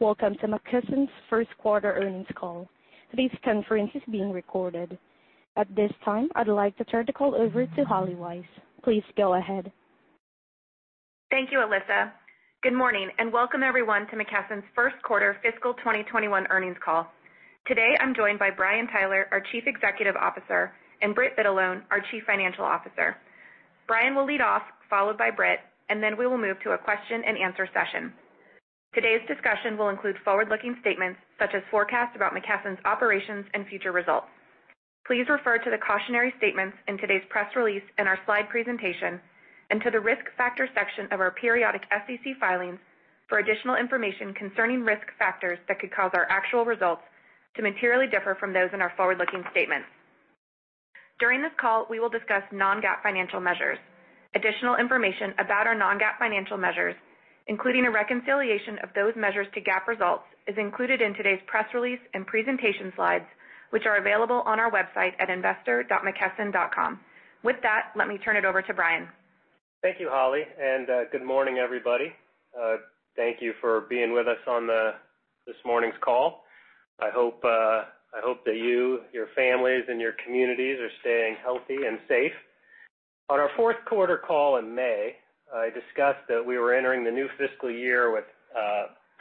Welcome to McKesson's first quarter earnings call. Today's conference is being recorded. At this time, I'd like to turn the call over to Holly Weiss. Please go ahead. Thank you, Alyssa. Good morning, and welcome everyone to McKesson's first quarter fiscal 2021 earnings call. Today, I'm joined by Brian Tyler, our Chief Executive Officer, and Britt Vitalone, our Chief Financial Officer. Brian will lead off, followed by Britt, and then we will move to a question and answer session. Today's discussion will include forward-looking statements, such as forecasts about McKesson's operations and future results. Please refer to the cautionary statements in today's press release and our slide presentation, and to the Risk Factors section of our periodic SEC filings for additional information concerning risk factors that could cause our actual results to materially differ from those in our forward-looking statements. During this call, we will discuss non-GAAP financial measures. Additional information about our non-GAAP financial measures, including a reconciliation of those measures to GAAP results, is included in today's press release and presentation slides, which are available on our website at investor.mckesson.com. With that, let me turn it over to Brian. Thank you, Holly. Good morning, everybody. Thank you for being with us on this morning's call. I hope that you, your families, and your communities are staying healthy and safe. On our fourth quarter call in May, I discussed that we were entering the new fiscal year with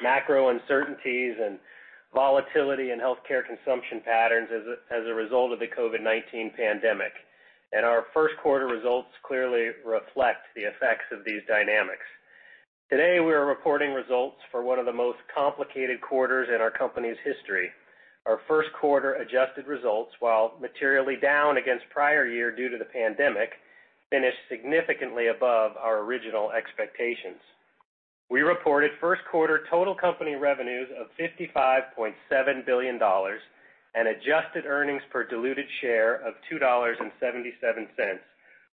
macro uncertainties and volatility in healthcare consumption patterns as a result of the COVID-19 pandemic. Our first quarter results clearly reflect the effects of these dynamics. Today, we're reporting results for one of the most complicated quarters in our company's history. Our first quarter adjusted results, while materially down against prior year due to the pandemic, finished significantly above our original expectations. We reported first quarter total company revenues of $55.7 billion and adjusted earnings per diluted share of $2.77,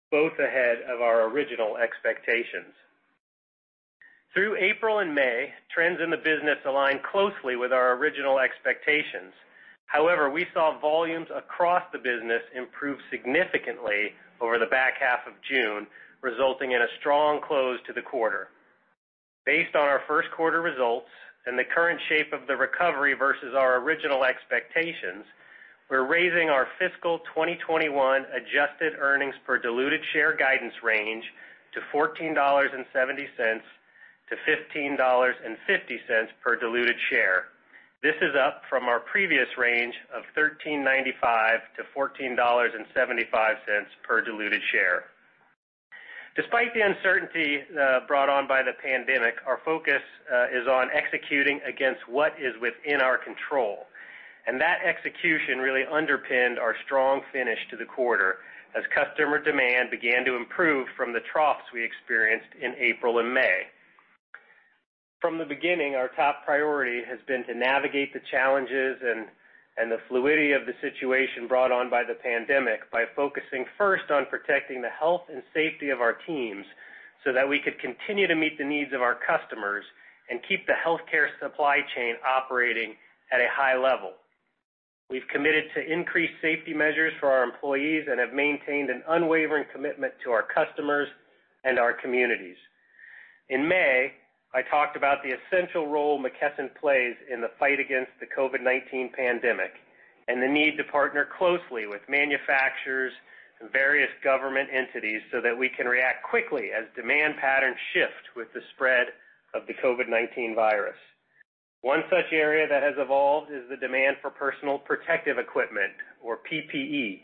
both ahead of our original expectations. Through April and May, trends in the business aligned closely with our original expectations. However, we saw volumes across the business improve significantly over the back half of June, resulting in a strong close to the quarter. Based on our first quarter results and the current shape of the recovery versus our original expectations, we're raising our fiscal 2021 adjusted earnings per diluted share guidance range to $14.70-$15.50 per diluted share. This is up from our previous range of $13.95-$14.75 per diluted share. Despite the uncertainty brought on by the pandemic, our focus is on executing against what is within our control, and that execution really underpinned our strong finish to the quarter as customer demand began to improve from the troughs we experienced in April and May. From the beginning, our top priority has been to navigate the challenges and the fluidity of the situation brought on by the pandemic by focusing first on protecting the health and safety of our teams so that we could continue to meet the needs of our customers and keep the healthcare supply chain operating at a high level. We've committed to increased safety measures for our employees and have maintained an unwavering commitment to our customers and our communities. In May, I talked about the essential role McKesson plays in the fight against the COVID-19 pandemic and the need to partner closely with manufacturers and various government entities so that we can react quickly as demand patterns shift with the spread of the COVID-19 virus. One such area that has evolved is the demand for personal protective equipment or PPE.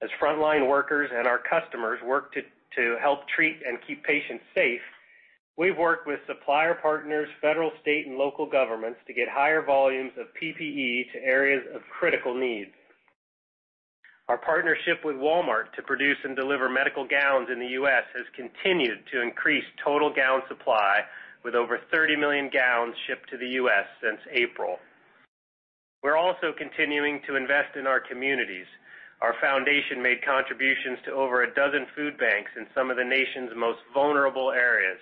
As frontline workers and our customers work to help treat and keep patients safe, we've worked with supplier partners, federal, state, and local governments to get higher volumes of PPE to areas of critical need. Our partnership with Walmart to produce and deliver medical gowns in the U.S. has continued to increase total gown supply, with over 30 million gowns shipped to the U.S. since April. We're also continuing to invest in our communities. Our foundation made contributions to over a dozen food banks in some of the nation's most vulnerable areas.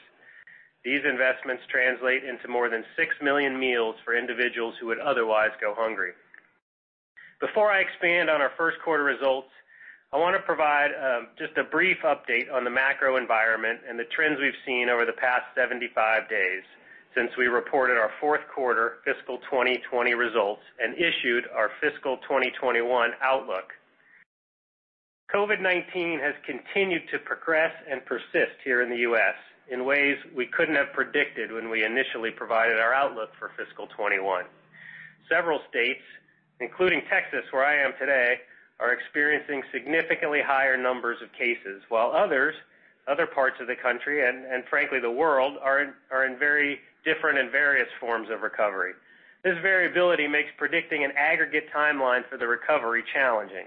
These investments translate into more than 6 million meals for individuals who would otherwise go hungry. Before I expand on our first quarter results, I want to provide just a brief update on the macro environment and the trends we've seen over the past 75 days since we reported our fourth quarter fiscal 2020 results and issued our fiscal 2021 outlook. COVID-19 has continued to progress and persist here in the U.S. in ways we couldn't have predicted when we initially provided our outlook for fiscal 2021. Several states, including Texas, where I am today, are experiencing significantly higher numbers of cases, while other parts of the country and frankly, the world, are in very different and various forms of recovery. This variability makes predicting an aggregate timeline for the recovery challenging.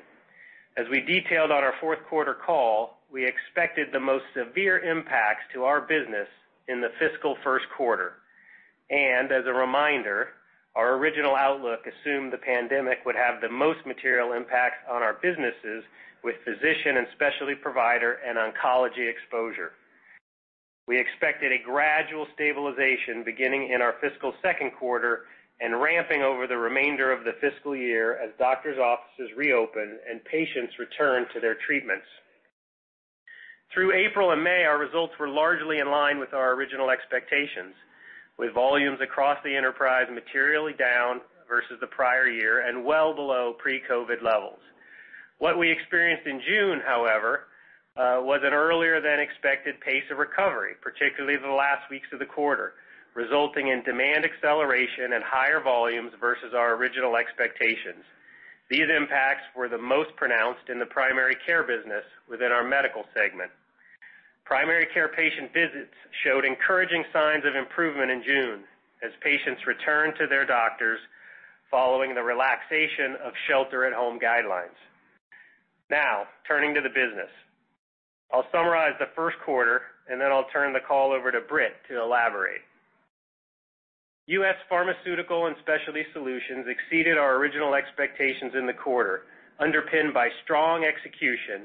As we detailed on our fourth quarter call, we expected the most severe impacts to our business in the fiscal first quarter. As a reminder, our original outlook assumed the pandemic would have the most material impact on our businesses with physician and specialty provider and oncology exposure. We expected a gradual stabilization beginning in our fiscal second quarter and ramping over the remainder of the fiscal year as doctor's offices reopen and patients return to their treatments. Through April and May, our results were largely in line with our original expectations, with volumes across the enterprise materially down versus the prior year and well below pre-COVID levels. What we experienced in June, however, was an earlier-than-expected pace of recovery, particularly the last weeks of the quarter, resulting in demand acceleration and higher volumes versus our original expectations. These impacts were the most pronounced in the primary care business within our medical segment. Primary care patient visits showed encouraging signs of improvement in June as patients returned to their doctors following the relaxation of shelter-at-home guidelines. Turning to the business. I'll summarize the first quarter, and then I'll turn the call over to Britt to elaborate. U.S. Pharmaceutical and Specialty Solutions exceeded our original expectations in the quarter, underpinned by strong execution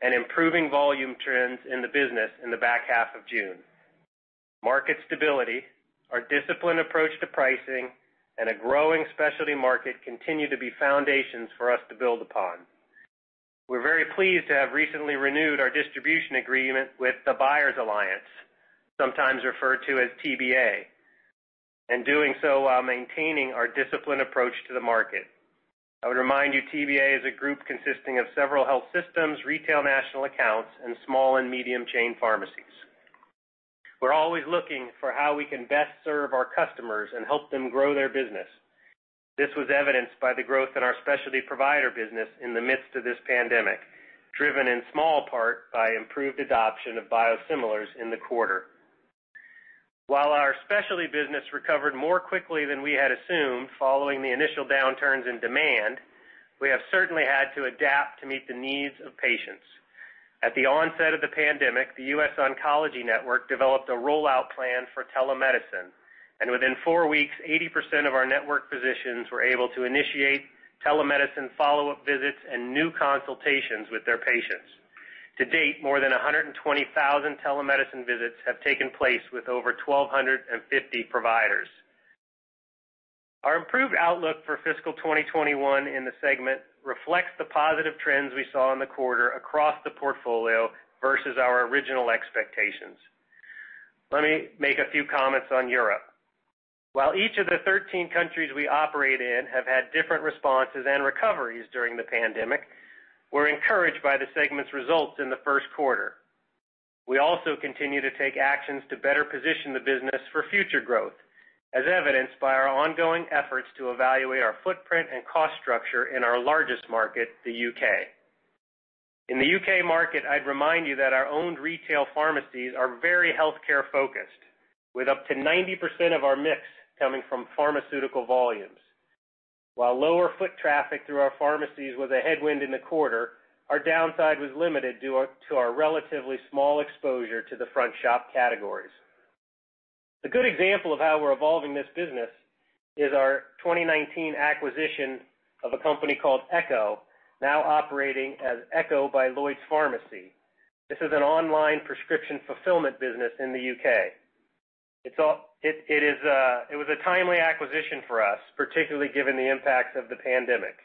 and improving volume trends in the business in the back half of June. Market stability, our disciplined approach to pricing, and a growing specialty market continue to be foundations for us to build upon. We're very pleased to have recently renewed our distribution agreement with The Buyers Alliance, sometimes referred to as TBA, and doing so while maintaining our disciplined approach to the market. I would remind you, TBA is a group consisting of several health systems, retail national accounts, and small and medium chain pharmacies. We're always looking for how we can best serve our customers and help them grow their business. This was evidenced by the growth in our specialty provider business in the midst of this pandemic, driven in small part by improved adoption of biosimilars in the quarter. While our specialty business recovered more quickly than we had assumed following the initial downturns in demand, we have certainly had to adapt to meet the needs of patients. At the onset of the pandemic, The U.S. Oncology Network developed a rollout plan for telemedicine, and within four weeks, 80% of our network physicians were able to initiate telemedicine follow-up visits and new consultations with their patients. To date, more than 120,000 telemedicine visits have taken place with over 1,250 providers. Our improved outlook for fiscal 2021 in the segment reflects the positive trends we saw in the quarter across the portfolio versus our original expectations. Let me make a few comments on Europe. While each of the 13 countries we operate in have had different responses and recoveries during the pandemic, we're encouraged by the segment's results in the first quarter. We also continue to take actions to better position the business for future growth, as evidenced by our ongoing efforts to evaluate our footprint and cost structure in our largest market, the U.K. In the U.K. market, I'd remind you that our owned retail pharmacies are very healthcare-focused, with up to 90% of our mix coming from pharmaceutical volumes. While lower foot traffic through our pharmacies was a headwind in the quarter, our downside was limited due to our relatively small exposure to the front shop categories. A good example of how we're evolving this business is our 2019 acquisition of a company called Echo, now operating as Echo by LloydsPharmacy. This is an online prescription fulfillment business in the U.K. It was a timely acquisition for us, particularly given the impacts of the pandemic.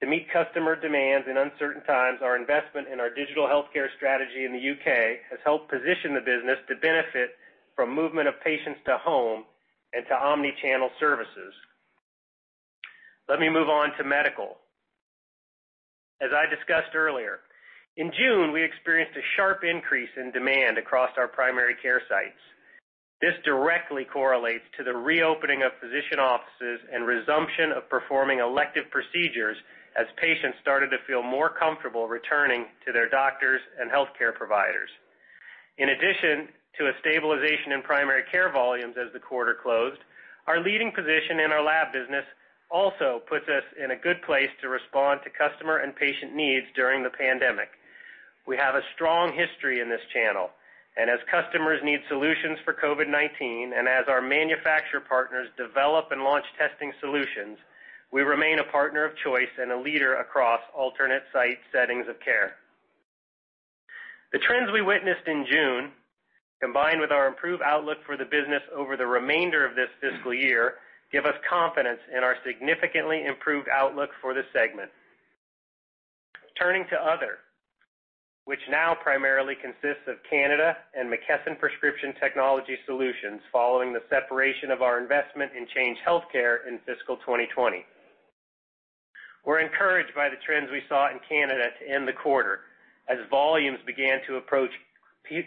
To meet customer demands in uncertain times, our investment in our digital healthcare strategy in the U.K. has helped position the business to benefit from movement of patients to home and to omni-channel services. Let me move on to medical. As I discussed earlier, in June, we experienced a sharp increase in demand across our primary care sites. This directly correlates to the reopening of physician offices and resumption of performing elective procedures as patients started to feel more comfortable returning to their doctors and healthcare providers. In addition to a stabilization in primary care volumes as the quarter closed, our leading position in our lab business also puts us in a good place to respond to customer and patient needs during the pandemic. We have a strong history in this channel, and as customers need solutions for COVID-19, and as our manufacturer partners develop and launch testing solutions, we remain a partner of choice and a leader across alternate site settings of care. The trends we witnessed in June, combined with our improved outlook for the business over the remainder of this fiscal year, give us confidence in our significantly improved outlook for the segment. Turning to other, which now primarily consists of Canada and McKesson Prescription Technology Solutions following the separation of our investment in Change Healthcare in fiscal 2020. We're encouraged by the trends we saw in Canada to end the quarter as volumes began to approach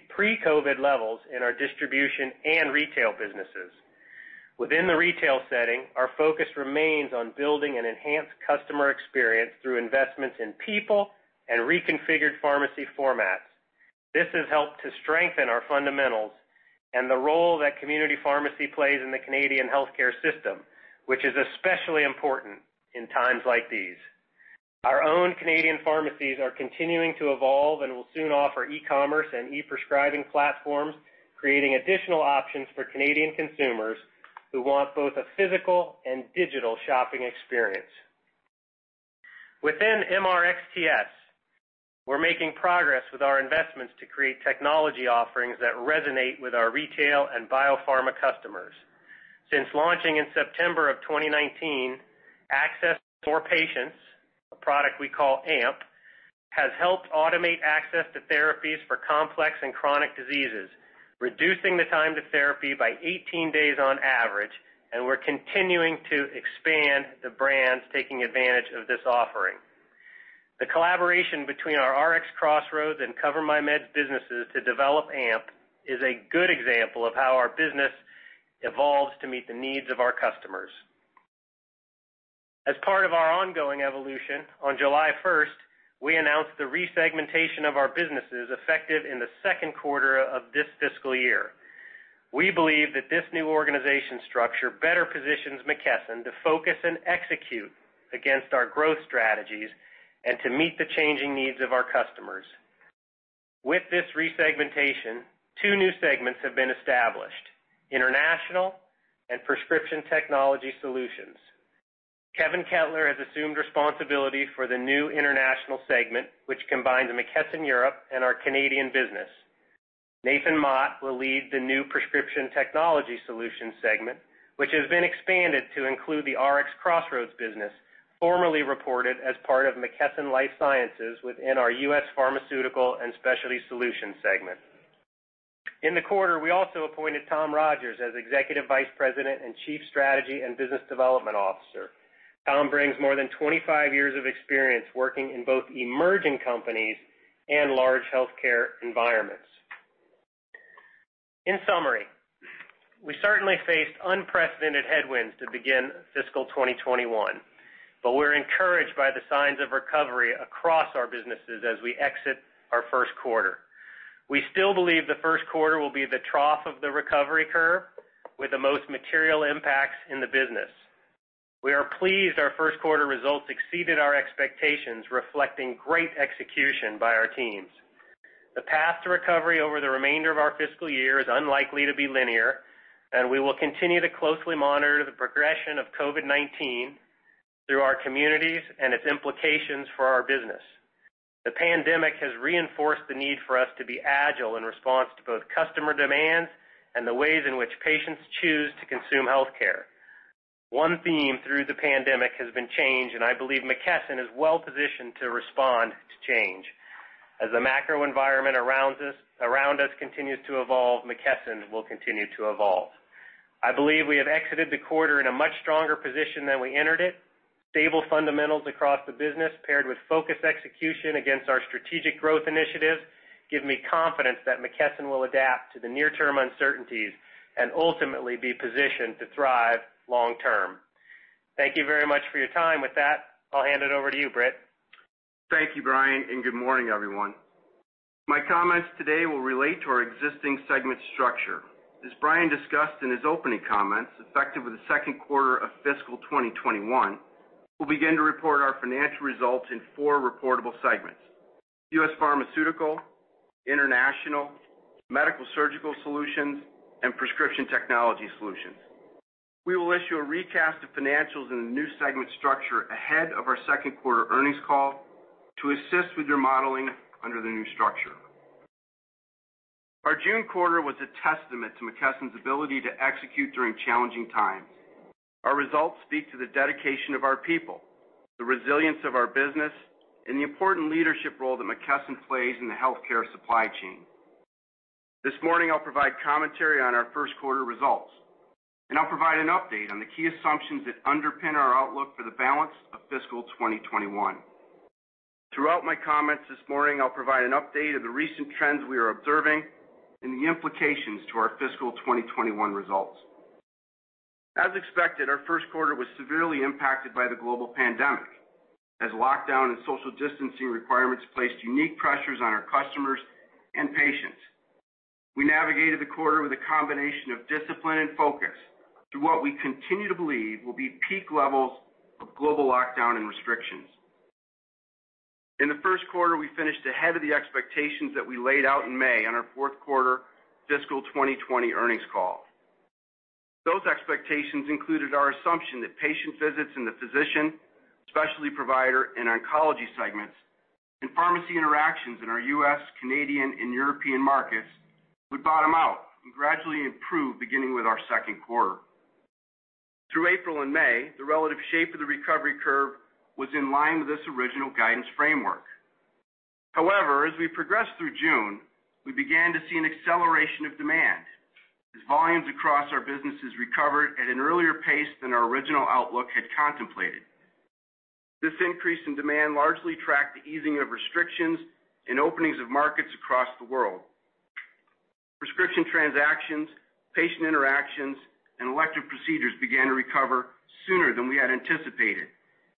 pre-COVID levels in our distribution and retail businesses. Within the retail setting, our focus remains on building an enhanced customer experience through investments in people and reconfigured pharmacy formats. This has helped to strengthen our fundamentals and the role that community pharmacy plays in the Canadian healthcare system, which is especially important in times like these. Our own Canadian pharmacies are continuing to evolve and will soon offer e-commerce and e-prescribing platforms, creating additional options for Canadian consumers who want both a physical and digital shopping experience. Within MRxTS, we're making progress with our investments to create technology offerings that resonate with our retail and biopharma customers. Since launching in September of 2019, Access for More Patients, a product we call AMP, has helped automate access to therapies for complex and chronic diseases, reducing the time to therapy by 18 days on average, and we're continuing to expand the brands taking advantage of this offering. The collaboration between our RxCrossroads and CoverMyMeds businesses to develop AMP is a good example of how our business evolves to meet the needs of our customers. As part of our ongoing evolution, on July 1st, we announced the resegmentation of our businesses effective in the second quarter of this fiscal year. We believe that this new organization structure better positions McKesson to focus and execute against our growth strategies and to meet the changing needs of our customers. With this resegmentation, two new segments have been established: International and Prescription Technology Solutions. Kevin Kettler has assumed responsibility for the new international segment, which combines McKesson Europe and our Canadian business. Nathan Mott will lead the new Prescription Technology Solutions segment, which has been expanded to include the RxCrossroads business, formerly reported as part of McKesson Life Sciences within our U.S. Pharmaceutical and Specialty Solutions segment. In the quarter, we also appointed Tom Rodgers as Executive Vice President and Chief Strategy and Business Development Officer. Tom brings more than 25 years of experience working in both emerging companies and large healthcare environments. In summary, we certainly faced unprecedented headwinds to begin fiscal 2021. We're encouraged by the signs of recovery across our businesses as we exit our first quarter. We still believe the first quarter will be the trough of the recovery curve with the most material impacts in the business. We are pleased our first quarter results exceeded our expectations, reflecting great execution by our teams. The path to recovery over the remainder of our fiscal year is unlikely to be linear. We will continue to closely monitor the progression of COVID-19 through our communities and its implications for our business. The pandemic has reinforced the need for us to be agile in response to both customer demands and the ways in which patients choose to consume healthcare. One theme through the pandemic has been change. I believe McKesson is well positioned to respond to change. As the macro environment around us continues to evolve, McKesson will continue to evolve. I believe we have exited the quarter in a much stronger position than we entered it. Stable fundamentals across the business paired with focused execution against our strategic growth initiatives give me confidence that McKesson will adapt to the near-term uncertainties and ultimately be positioned to thrive long term. Thank you very much for your time. With that, I'll hand it over to you, Britt. Thank you, Brian, good morning, everyone. My comments today will relate to our existing segment structure. As Brian discussed in his opening comments, effective with the second quarter of fiscal 2021, we'll begin to report our financial results in four reportable segments: U.S. Pharmaceutical, International, Medical-Surgical Solutions, and Prescription Technology Solutions. We will issue a recast of financials in the new segment structure ahead of our second quarter earnings call to assist with your modeling under the new structure. Our June quarter was a testament to McKesson's ability to execute during challenging times. Our results speak to the dedication of our people, the resilience of our business, and the important leadership role that McKesson plays in the healthcare supply chain. This morning, I'll provide commentary on our first quarter results, and I'll provide an update on the key assumptions that underpin our outlook for the balance of fiscal 2021. Throughout my comments this morning, I'll provide an update of the recent trends we are observing and the implications to our fiscal 2021 results. As expected, our first quarter was severely impacted by the global pandemic, as lockdown and social distancing requirements placed unique pressures on our customers and patients. We navigated the quarter with a combination of discipline and focus through what we continue to believe will be peak levels of global lockdown and restrictions. In the first quarter, we finished ahead of the expectations that we laid out in May on our fourth quarter fiscal 2020 earnings call. Those expectations included our assumption that patient visits in the physician, specialty provider, and oncology segments and pharmacy interactions in our U.S., Canadian, and European markets would bottom out and gradually improve beginning with our second quarter. Through April and May, the relative shape of the recovery curve was in line with this original guidance framework. However, as we progressed through June, we began to see an acceleration of demand as volumes across our businesses recovered at an earlier pace than our original outlook had contemplated. This increase in demand largely tracked the easing of restrictions and openings of markets across the world. Prescription transactions, patient interactions, and elective procedures began to recover sooner than we had anticipated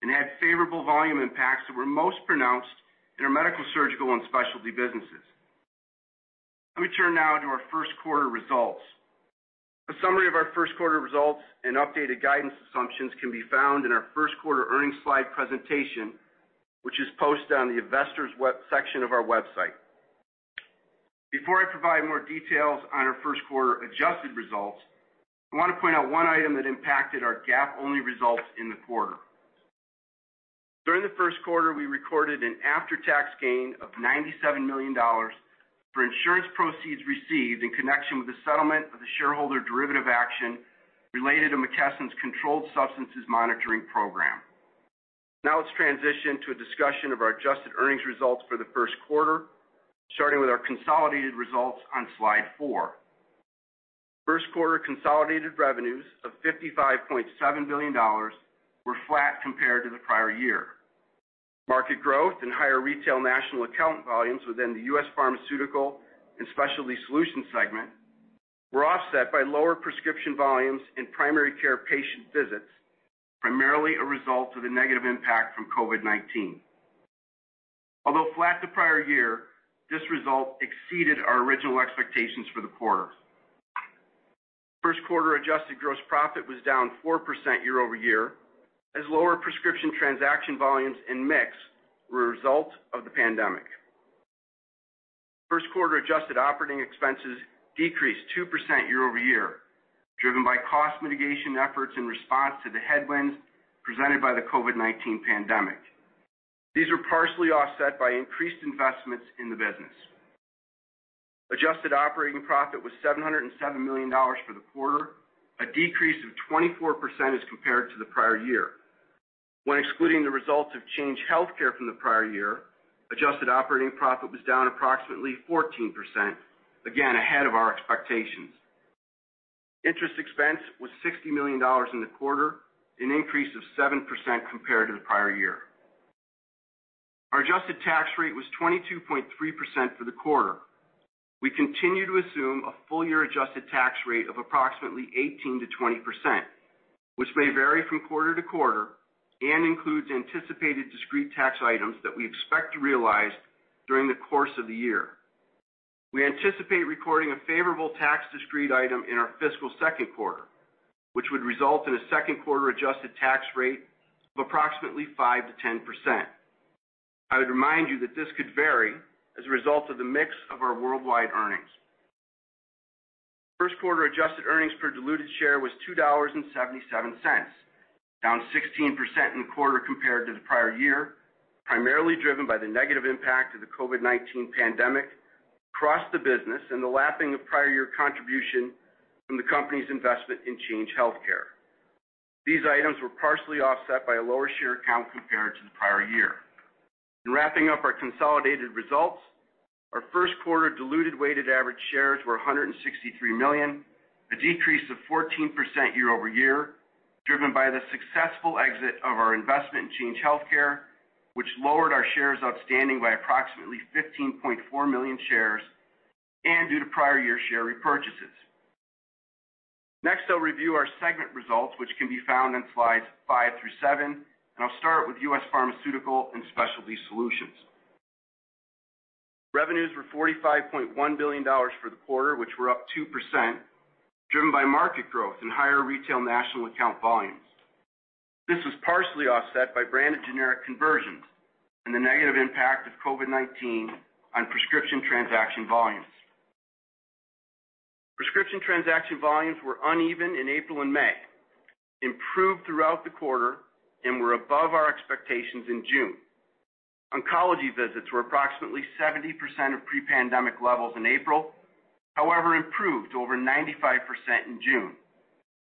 and had favorable volume impacts that were most pronounced in our Medical-Surgical and specialty businesses. Let me turn now to our first quarter results. A summary of our first quarter results and updated guidance assumptions can be found in our first quarter earnings slide presentation, which is posted on the investors section of our website. Before I provide more details on our first quarter adjusted results, I want to point out one item that impacted our GAAP-only results in the quarter. We recorded an after-tax gain of $97 million for insurance proceeds received in connection with the settlement of the shareholder derivative action related to McKesson's Controlled Substances Monitoring Program. Now let's transition to a discussion of our adjusted earnings results for the first quarter, starting with our consolidated results on slide four. First quarter consolidated revenues of $55.7 billion were flat compared to the prior year. Market growth and higher retail national account volumes within the U.S. Pharmaceutical and Specialty Solutions segment were offset by lower prescription volumes and primary care patient visits, primarily a result of the negative impact from COVID-19. Although flat the prior year, this result exceeded our original expectations for the quarter. First quarter adjusted gross profit was down 4% year-over-year, as lower prescription transaction volumes and mix were a result of the pandemic. First quarter adjusted operating expenses decreased 2% year-over-year, driven by cost mitigation efforts in response to the headwinds presented by the COVID-19 pandemic. These were partially offset by increased investments in the business. Adjusted operating profit was $707 million for the quarter, a decrease of 24% as compared to the prior year. When excluding the results of Change Healthcare from the prior year, adjusted operating profit was down approximately 14%, again ahead of our expectations. Interest expense was $60 million in the quarter, an increase of 7% compared to the prior year. Our adjusted tax rate was 22.3% for the quarter. We continue to assume a full-year adjusted tax rate of approximately 18%-20%, which may vary from quarter-to-quarter and includes anticipated discrete tax items that we expect to realize during the course of the year. We anticipate recording a favorable tax discrete item in our fiscal second quarter, which would result in a second quarter adjusted tax rate of approximately 5%-10%. I would remind you that this could vary as a result of the mix of our worldwide earnings. First quarter adjusted earnings per diluted share was $2.77, down 16% in the quarter compared to the prior year, primarily driven by the negative impact of the COVID-19 pandemic across the business and the lapping of prior year contribution from the company's investment in Change Healthcare. These items were partially offset by a lower share count compared to the prior year. In wrapping up our consolidated results, our first quarter diluted weighted average shares were 163 million, a decrease of 14% year-over-year, driven by the successful exit of our investment in Change Healthcare, which lowered our shares outstanding by approximately 15.4 million shares and due to prior year share repurchases. Next, I'll review our segment results, which can be found on slides five through seven, and I'll start with U.S. Pharmaceutical and Specialty Solutions. Revenues were $45.1 billion for the quarter, which were up 2%, driven by market growth and higher retail national account volumes. This was partially offset by branded generic conversions and the negative impact of COVID-19 on prescription transaction volumes. Prescription transaction volumes were uneven in April and May, improved throughout the quarter, and were above our expectations in June. Oncology visits were approximately 70% of pre-pandemic levels in April, however, improved over 95% in June,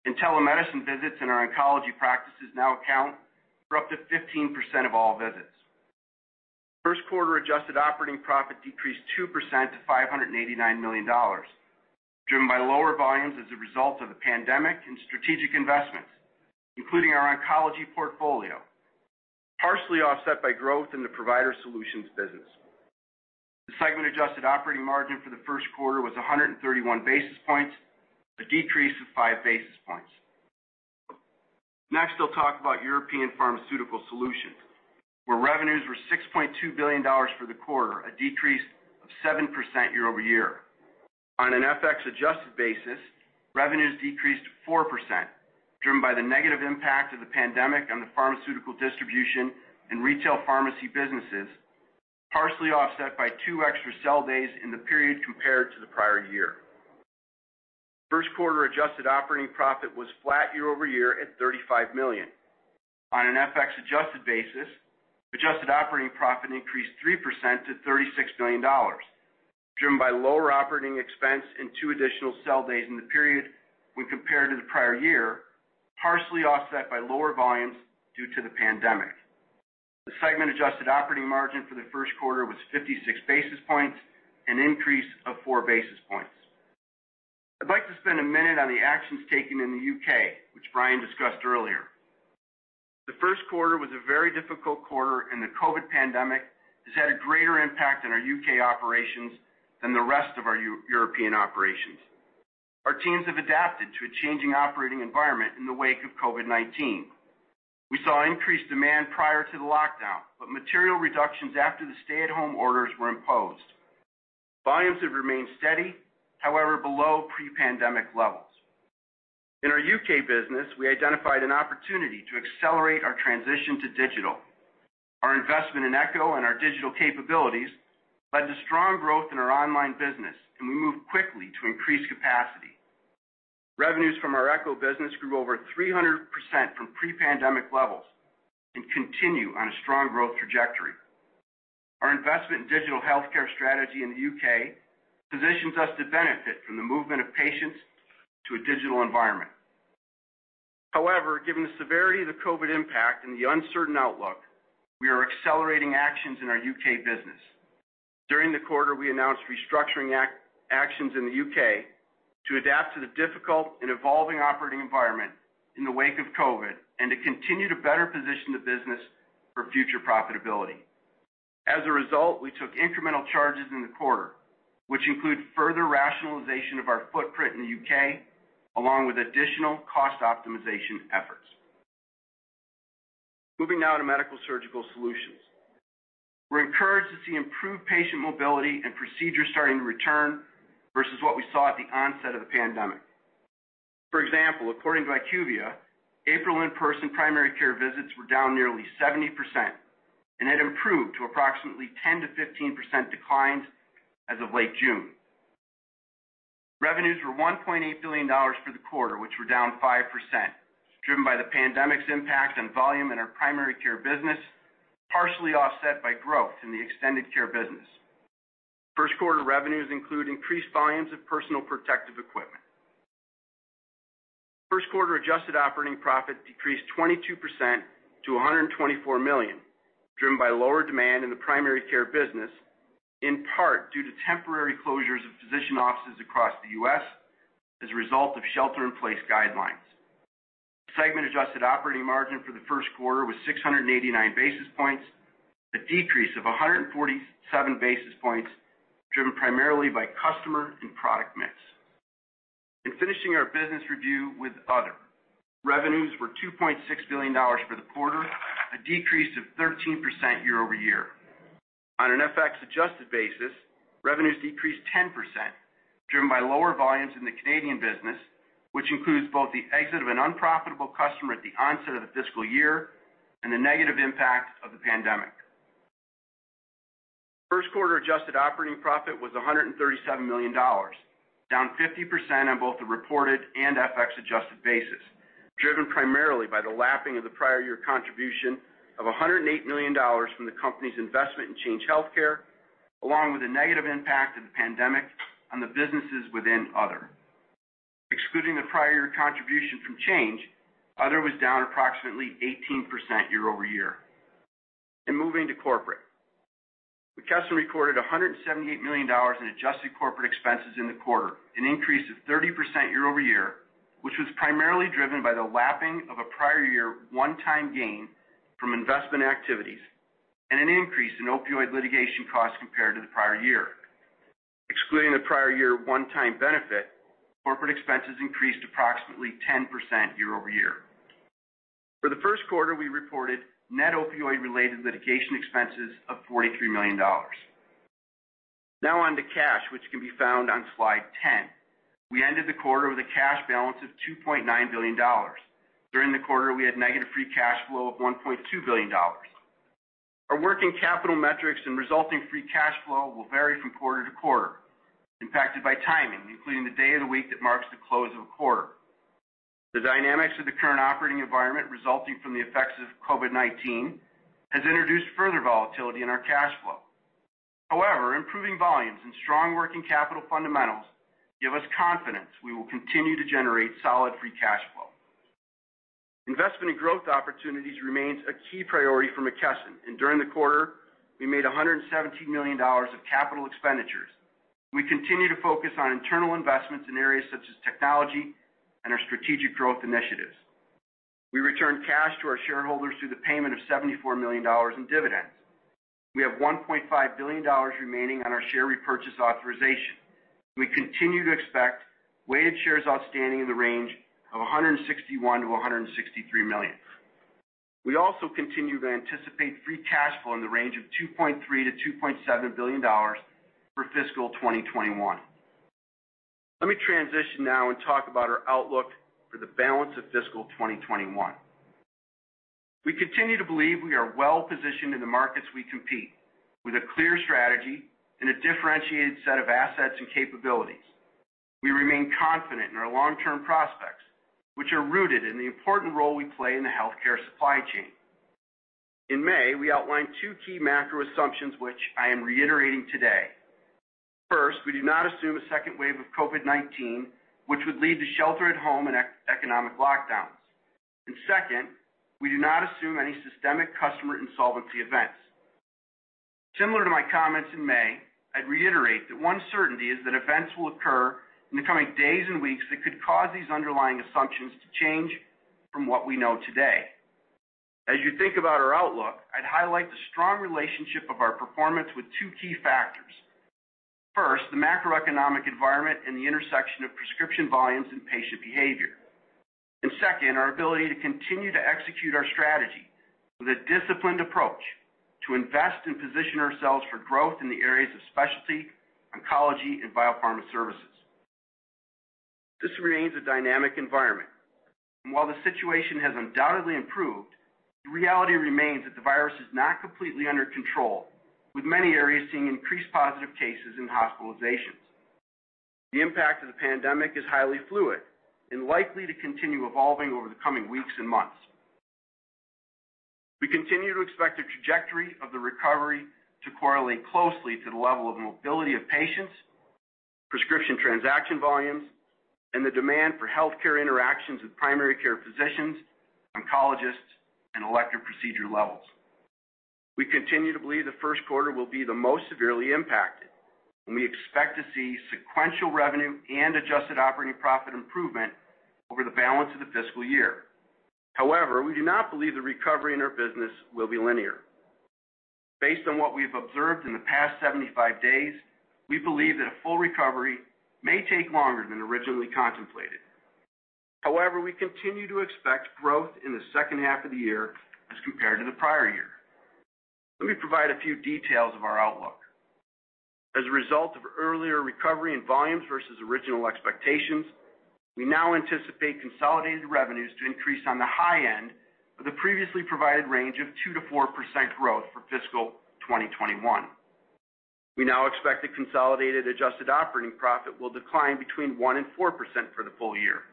and telemedicine visits in our oncology practices now account for up to 15% of all visits. First quarter adjusted operating profit decreased 2% to $589 million, driven by lower volumes as a result of the pandemic and strategic investments, including our oncology portfolio, partially offset by growth in the provider solutions business. The segment adjusted operating margin for the first quarter was 131 basis points, a decrease of 5 basis points. Next, I'll talk about European Pharmaceutical Solutions, where revenues were $6.2 billion for the quarter, a decrease of 7% year-over-year. On an FX adjusted basis, revenues decreased 4%, driven by the negative impact of the pandemic on the pharmaceutical distribution and retail pharmacy businesses, partially offset by two extra sell days in the period compared to the prior year. First quarter adjusted operating profit was flat year-over-year at $35 million. On an FX adjusted basis, adjusted operating profit increased 3% to $36 million, driven by lower operating expense and two additional sell days in the period when compared to the prior year, partially offset by lower volumes due to the pandemic. The segment adjusted operating margin for the first quarter was 56 basis points, an increase of four basis points. I'd like to spend a minute on the actions taken in the U.K., which Brian discussed earlier. The first quarter was a very difficult quarter, and the COVID-19 pandemic has had a greater impact on our U.K. operations than the rest of our European operations. Our teams have adapted to a changing operating environment in the wake of COVID-19. We saw increased demand prior to the lockdown, but material reductions after the stay-at-home orders were imposed. Volumes have remained steady, however, below pre-pandemic levels. In our U.K. business, we identified an opportunity to accelerate our transition to digital. Our investment in Echo and our digital capabilities led to strong growth in our online business, and we moved quickly to increase capacity. Revenues from our Echo business grew over 300% from pre-pandemic levels and continue on a strong growth trajectory. Our investment in digital healthcare strategy in the U.K. positions us to benefit from the movement of patients to a digital environment. Given the severity of the COVID impact and the uncertain outlook, we are accelerating actions in our U.K. business. During the quarter, we announced restructuring actions in the U.K. to adapt to the difficult and evolving operating environment in the wake of COVID, to continue to better position the business for future profitability. As a result, we took incremental charges in the quarter, which include further rationalization of our footprint in the U.K., along with additional cost optimization efforts. Moving now to Medical-Surgical Solutions. We're encouraged to see improved patient mobility and procedures starting to return versus what we saw at the onset of the pandemic. For example, according to IQVIA, April in-person primary care visits were down nearly 70% and had improved to approximately 10%-15% declines as of late June. Revenues were $1.8 billion for the quarter, which were down 5%, driven by the pandemic's impact on volume in our primary care business, partially offset by growth in the extended care business. First quarter revenues include increased volumes of personal protective equipment. First quarter adjusted operating profit decreased 22% to $124 million, driven by lower demand in the primary care business, in part due to temporary closures of physician offices across the U.S. as a result of shelter-in-place guidelines. Segment adjusted operating margin for the first quarter was 689 basis points, a decrease of 147 basis points, driven primarily by customer and product mix. In finishing our business review with Other, revenues were $2.6 billion for the quarter, a decrease of 13% year-over-year. On an FX-adjusted basis, revenues decreased 10%, driven by lower volumes in the Canadian business, which includes both the exit of an unprofitable customer at the onset of the fiscal year and the negative impact of the pandemic. First quarter adjusted operating profit was $137 million, down 50% on both the reported and FX-adjusted basis, driven primarily by the lapping of the prior year contribution of $108 million from the company's investment in Change Healthcare, along with the negative impact of the pandemic on the businesses within Other. Excluding the prior year contribution from Change, Other was down approximately 18% year-over-year. In moving to corporate. McKesson recorded $178 million in adjusted corporate expenses in the quarter, an increase of 30% year-over-year, which was primarily driven by the lapping of a prior year one-time gain from investment activities and an increase in opioid litigation costs compared to the prior year. Excluding the prior year one-time benefit, corporate expenses increased approximately 10% year-over-year. For the first quarter, we reported net opioid-related litigation expenses of $43 million. Now on to cash, which can be found on slide 10. We ended the quarter with a cash balance of $2.9 billion. During the quarter, we had negative free cash flow of $1.2 billion. Our working capital metrics and resulting free cash flow will vary from quarter-to-quarter, impacted by timing, including the day of the week that marks the close of a quarter. The dynamics of the current operating environment resulting from the effects of COVID-19 has introduced further volatility in our cash flow. However, improving volumes and strong working capital fundamentals give us confidence we will continue to generate solid free cash flow. Investment in growth opportunities remains a key priority for McKesson, and during the quarter, we made $117 million of capital expenditures. We continue to focus on internal investments in areas such as technology and our strategic growth initiatives. We returned cash to our shareholders through the payment of $74 million in dividends. We have $1.5 billion remaining on our share repurchase authorization. We continue to expect weighted shares outstanding in the range of 161 million-163 million. We also continue to anticipate free cash flow in the range of $2.3 billion-$2.7 billion for fiscal 2021. Let me transition now and talk about our outlook for the balance of fiscal 2021. We continue to believe we are well-positioned in the markets we compete, with a clear strategy and a differentiated set of assets and capabilities. We remain confident in our long-term prospects, which are rooted in the important role we play in the healthcare supply chain. In May, we outlined two key macro assumptions, which I am reiterating today. First, we do not assume a second wave of COVID-19, which would lead to shelter at home and economic lockdowns. Second, we do not assume any systemic customer insolvency events. Similar to my comments in May, I'd reiterate that one certainty is that events will occur in the coming days and weeks that could cause these underlying assumptions to change from what we know today. As you think about our outlook, I'd highlight the strong relationship of our performance with two key factors. First, the macroeconomic environment and the intersection of prescription volumes and patient behavior. Second, our ability to continue to execute our strategy with a disciplined approach to invest and position ourselves for growth in the areas of specialty, oncology, and biopharma services. This remains a dynamic environment. While the situation has undoubtedly improved, the reality remains that the virus is not completely under control, with many areas seeing increased positive cases and hospitalizations. The impact of the pandemic is highly fluid and likely to continue evolving over the coming weeks and months. We continue to expect the trajectory of the recovery to correlate closely to the level of mobility of patients, prescription transaction volumes, and the demand for healthcare interactions with primary care physicians, oncologists, and elective procedure levels. We continue to believe the first quarter will be the most severely impacted, and we expect to see sequential revenue and adjusted operating profit improvement over the balance of the fiscal year. We do not believe the recovery in our business will be linear. Based on what we've observed in the past 75 days, we believe that a full recovery may take longer than originally contemplated. We continue to expect growth in the second half of the year as compared to the prior year. Let me provide a few details of our outlook. As a result of earlier recovery in volumes versus original expectations, we now anticipate consolidated revenues to increase on the high end of the previously provided range of 2%-4% growth for fiscal 2021. We now expect the consolidated adjusted operating profit will decline between 1% and 4% for the full year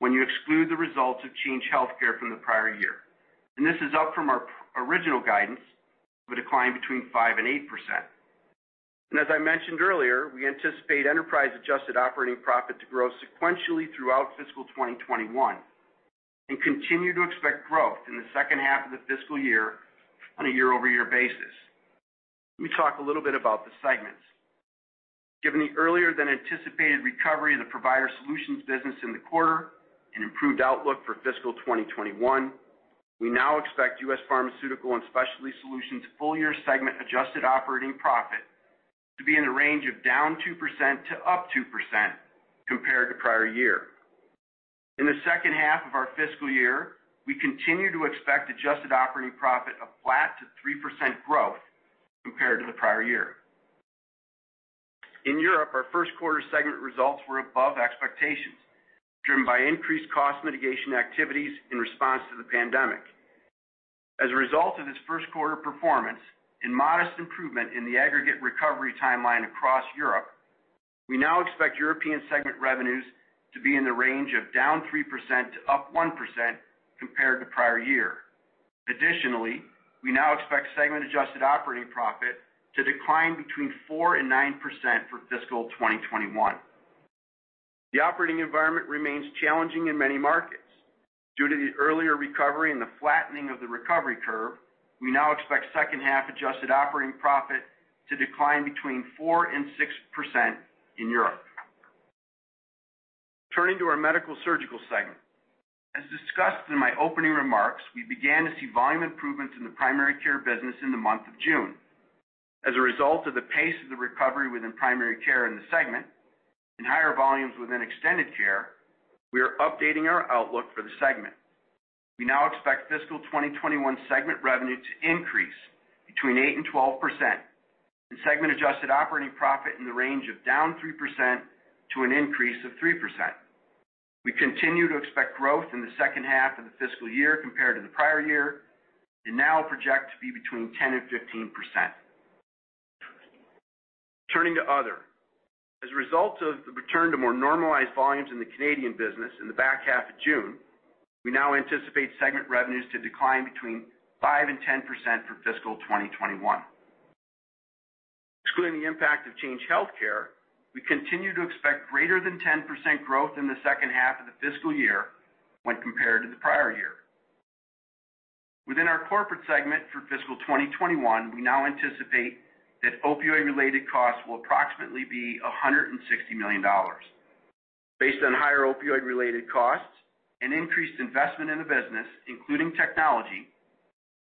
when you exclude the results of Change Healthcare from the prior year, and this is up from our original guidance of a decline between 5% and 8%. As I mentioned earlier, we anticipate enterprise-adjusted operating profit to grow sequentially throughout fiscal 2021, and continue to expect growth in the second half of the fiscal year on a year-over-year basis. Let me talk a little bit about the segments. Given the earlier than anticipated recovery of the provider solutions business in the quarter and improved outlook for fiscal 2021, we now expect U.S. Pharmaceutical and Specialty Solutions' full year segment adjusted operating profit to be in the range of down 2% to up 2% compared to prior year. In the second half of our fiscal year, we continue to expect adjusted operating profit of flat to 3% growth compared to the prior year. In Europe, our first quarter segment results were above expectations, driven by increased cost mitigation activities in response to the pandemic. As a result of this first quarter performance and modest improvement in the aggregate recovery timeline across Europe, we now expect European segment revenues to be in the range of down 3% to up 1% compared to prior year. Additionally, we now expect segment adjusted operating profit to decline between 4% and 9% for fiscal 2021. The operating environment remains challenging in many markets. Due to the earlier recovery and the flattening of the recovery curve, we now expect second half adjusted operating profit to decline between 4% and 6% in Europe. Turning to our Medical-Surgical segment. As discussed in my opening remarks, we began to see volume improvements in the primary care business in the month of June. As a result of the pace of the recovery within primary care in the segment and higher volumes within extended care, we are updating our outlook for the segment. We now expect fiscal 2021 segment revenue to increase between 8% and 12%, and segment adjusted operating profit in the range of down 3% to an increase of 3%. We continue to expect growth in the second half of the fiscal year compared to the prior year, and now project to be between 10% and 15%. Turning to Other. As a result of the return to more normalized volumes in the Canadian business in the back half of June, we now anticipate segment revenues to decline between 5% and 10% for fiscal 2021. Excluding the impact of Change Healthcare, we continue to expect greater than 10% growth in the second half of the fiscal year when compared to the prior year. Within our corporate segment, for fiscal 2021, we now anticipate that opioid related costs will approximately be $160 million. Based on higher opioid related costs and increased investment in the business, including technology,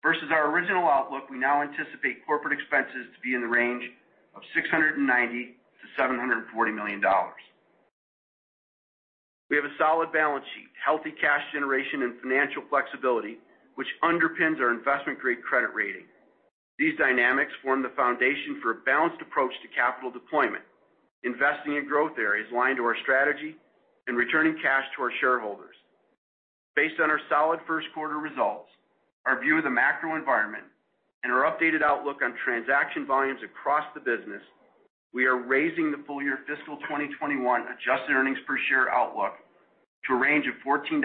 versus our original outlook, we now anticipate corporate expenses to be in the range of $690 million-$740 million. We have a solid balance sheet, healthy cash generation, and financial flexibility, which underpins our investment-grade credit rating. These dynamics form the foundation for a balanced approach to capital deployment, investing in growth areas aligned to our strategy, and returning cash to our shareholders. Based on our solid first quarter results, our view of the macro environment, and our updated outlook on transaction volumes across the business, we are raising the full year fiscal 2021 adjusted earnings per share outlook to a range of $14.70-$15.50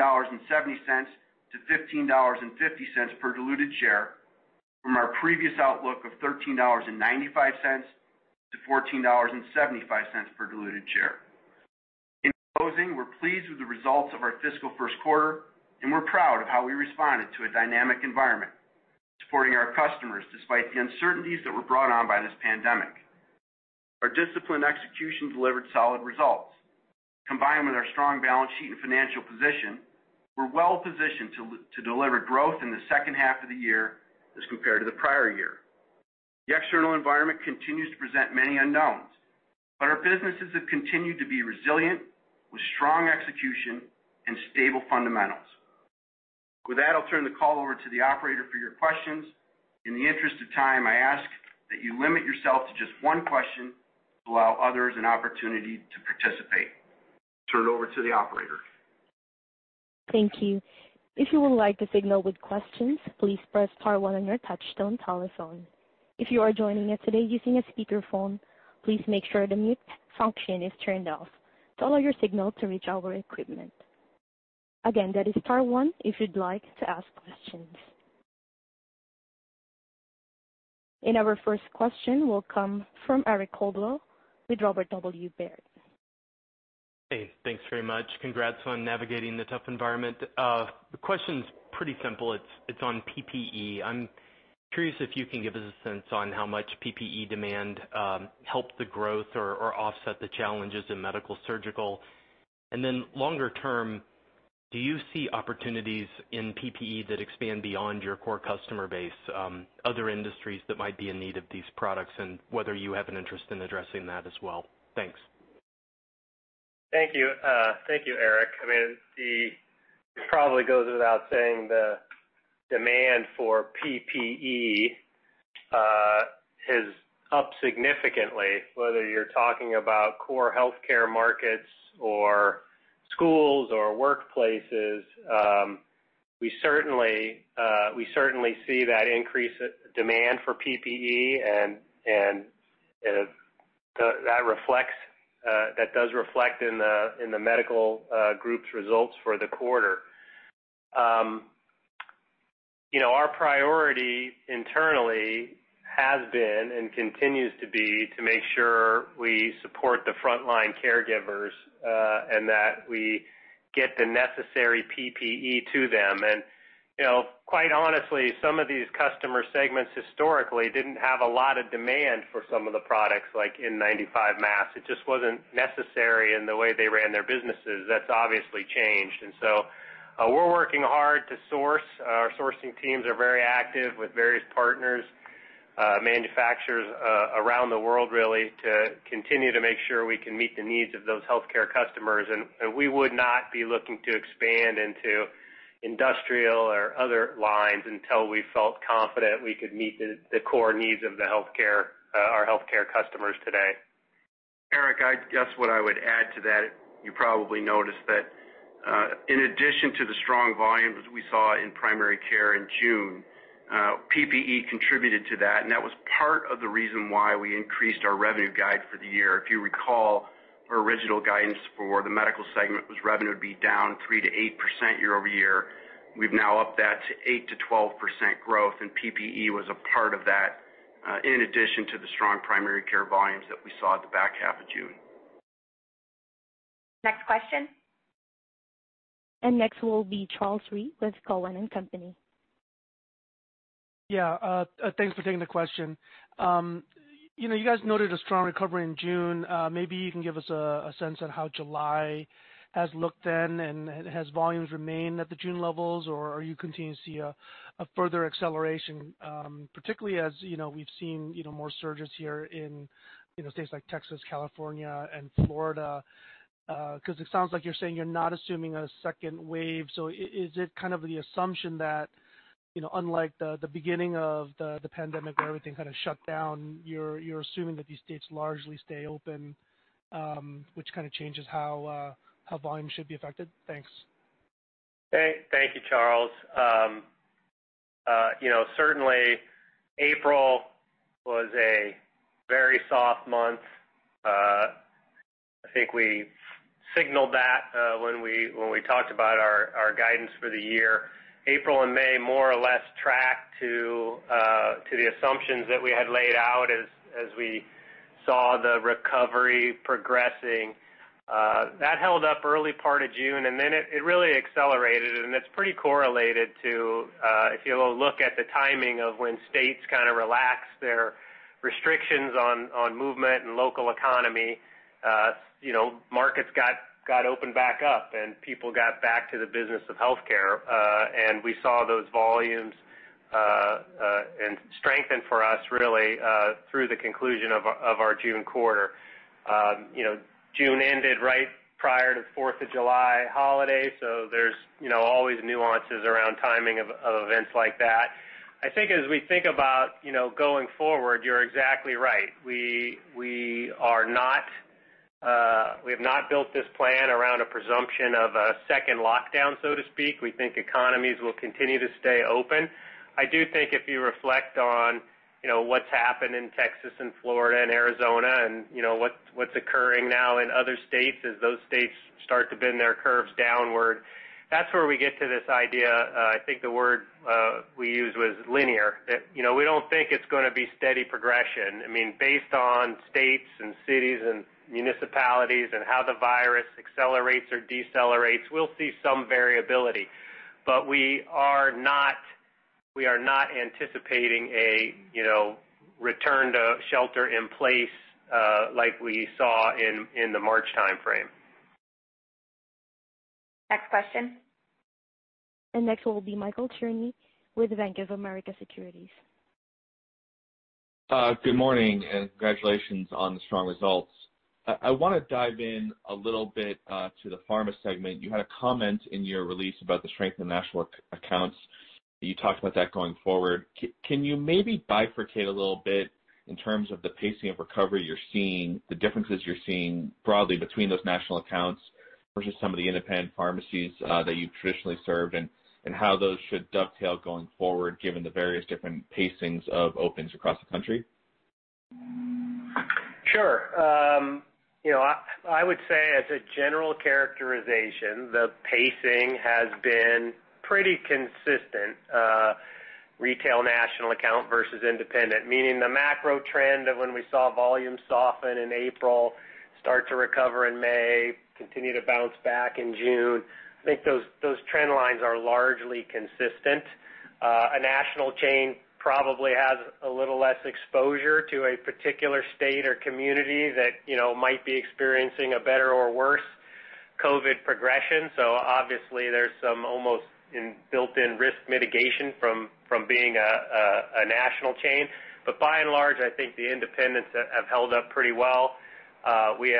per diluted share from our previous outlook of $13.95-$14.75 per diluted share. In closing, we're pleased with the results of our fiscal first quarter, and we're proud of how we responded to a dynamic environment, supporting our customers despite the uncertainties that were brought on by this pandemic. Our disciplined execution delivered solid results. Combined with our strong balance sheet and financial position, we're well positioned to deliver growth in the second half of the year as compared to the prior year. The external environment continues to present many unknowns, but our businesses have continued to be resilient with strong execution and stable fundamentals. With that, I'll turn the call over to the operator for your questions. In the interest of time, I ask that you limit yourself to just one question to allow others an opportunity to participate. Turn it over to the operator. Thank you. If you would like to signal with questions, please press star one on your touchtone telephone. If you are joining us today using a speakerphone, please make sure the mute function is turned off to allow your signal to reach our equipment. Again, that is star one if you'd like to ask questions. Our first question will come from Eric Coldwell with Robert W. Baird. Hey, thanks very much. Congrats on navigating the tough environment. The question's pretty simple. It's on PPE. I'm curious if you can give us a sense on how much PPE demand helped the growth or offset the challenges in medical surgical, and then longer term, do you see opportunities in PPE that expand beyond your core customer base, other industries that might be in need of these products, and whether you have an interest in addressing that as well? Thanks. Thank you, Eric. It probably goes without saying, the demand for PPE is up significantly, whether you're talking about core healthcare markets or schools or workplaces. We certainly see that increase demand for PPE, and that does reflect in the Medical group's results for the quarter. Our priority internally has been, and continues to be, to make sure we support the frontline caregivers, and that we get the necessary PPE to them. Quite honestly, some of these customer segments historically didn't have a lot of demand for some of the products, like N95 masks. It just wasn't necessary in the way they ran their businesses. That's obviously changed. We're working hard to source. Our sourcing teams are very active with various partners, manufacturers around the world, really, to continue to make sure we can meet the needs of those healthcare customers. We would not be looking to expand into industrial or other lines until we felt confident we could meet the core needs of our healthcare customers today. Eric, I guess what I would add to that, you probably noticed that in addition to the strong volumes we saw in primary care in June, PPE contributed to that, and that was part of the reason why we increased our revenue guide for the year. If you recall, our original guidance for the Medical segment was revenue would be down 3%-8% year-over-year. We've now upped that to 8%-12% growth, and PPE was a part of that, in addition to the strong primary care volumes that we saw at the back half of June. Next question. Next will be Charles Rhyee with Cowen and Company. Yeah, thanks for taking the question. You guys noted a strong recovery in June. Has volumes remained at the June levels, or are you continuing to see a further acceleration, particularly as we've seen more surges here in states like Texas, California, and Florida? It sounds like you're saying you're not assuming a second wave. Is it kind of the assumption that unlike the beginning of the pandemic where everything kind of shut down, you're assuming that these states largely stay open, which kind of changes how volume should be affected? Thanks. Thank you, Charles. Certainly April was a very soft month. I think we signaled that when we talked about our guidance for the year. April and May more or less tracked to the assumptions that we had laid out as we saw the recovery progressing. That held up early part of June, and then it really accelerated, and it's pretty correlated to, if you look at the timing of when states kind of relaxed their restrictions on movement and local economy. Markets got opened back up, and people got back to the business of healthcare. We saw those volumes strengthen for us really through the conclusion of our June quarter. June ended right prior to Fourth of July holiday, so there's always nuances around timing of events like that. I think as we think about going forward, you're exactly right. We have not built this plan around a presumption of a second lockdown, so to speak. We think economies will continue to stay open. I do think if you reflect on what's happened in Texas and Florida and Arizona and what's occurring now in other states as those states start to bend their curves downward, that's where we get to this idea, I think the word we used was linear, that we don't think it's going to be steady progression. Based on states and cities and municipalities and how the virus accelerates or decelerates, we'll see some variability. We are not anticipating a return to shelter in place like we saw in the March timeframe. Next question. Next will be Michael Cherny with Bank of America Securities. Good morning, congratulations on the strong results. I want to dive in a little bit to the pharma segment. You had a comment in your release about the strength of national accounts. You talked about that going forward. Can you maybe bifurcate a little bit in terms of the pacing of recovery you're seeing, the differences you're seeing broadly between those national accounts versus some of the independent pharmacies that you've traditionally served, and how those should dovetail going forward given the various different pacings of opens across the country? Sure. I would say as a general characterization, the pacing has been pretty consistent, retail national account versus independent, meaning the macro trend of when we saw volume soften in April, start to recover in May, continue to bounce back in June. I think those trend lines are largely consistent. A national chain probably has a little less exposure to a particular state or community that might be experiencing a better or worse COVID progression. Obviously, there's some almost built-in risk mitigation from being a national chain. By and large, I think the independents have held up pretty well. We